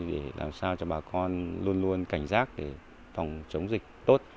để làm sao cho bà con luôn luôn cảnh giác để phòng chống dịch tốt